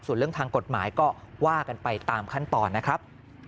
ส่วนเรื่องทางกฎหมายก็ว่ากันไปตามขั้นตอนนะครับ